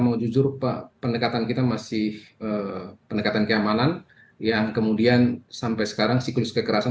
menjujur pendekatan kita masih pendekatan keamanan yang kemudian sampai sekarang siklus kekerasan